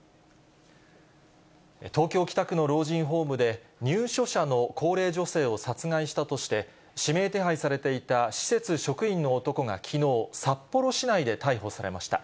東京・北区の老人ホームで、入所者の高齢女性を殺害したとして、指名手配されていた施設職員の男がきのう、札幌市内で逮捕されました。